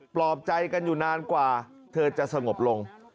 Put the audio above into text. ปลอบใจกันอยู่นานกว่าเธอจะสงบลง